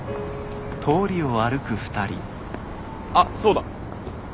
あっそうだ。